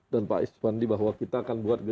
dan pak ispandi bahwa kita akan buat